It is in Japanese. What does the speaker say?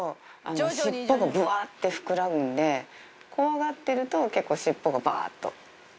ぶわっと膨らむんで、怖がってると、結構、尻尾がばーっと。